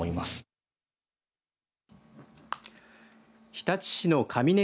日立市のかみね